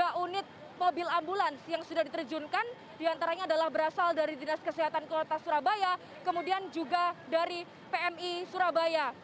tiga unit mobil ambulans yang sudah diterjunkan diantaranya adalah berasal dari dinas kesehatan kota surabaya kemudian juga dari pmi surabaya